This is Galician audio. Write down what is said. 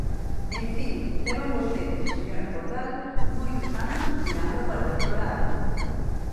En fin, levan vostedes, señora Cordal, moitos anos mirando para outro lado.